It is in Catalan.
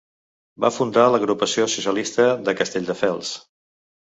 Va fundar l'Agrupació socialista de Castelldefels.